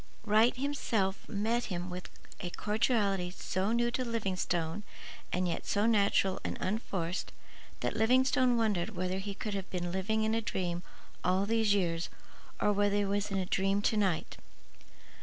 Wright himself met him with a cordiality so new to Livingstone and yet so natural and unforced that Livingstone wondered whether he could have been living in a dream all these years or whether he was in a dream to night.